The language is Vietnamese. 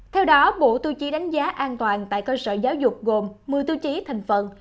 theo đó bộ tiêu chí đánh giá an toàn tại cơ sở giáo dục gồm một mươi tiêu chí thành phần